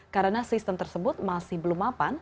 karena sistem tersebut masih belum mapan